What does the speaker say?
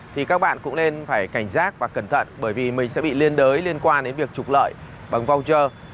thì các bạn cũng nên phải cảnh giác và cẩn thận bởi vì mình sẽ bị liên đới liên quan đến việc trục lợi bằng voucher